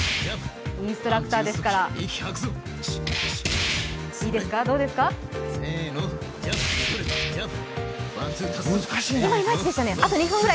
インストラクターですから。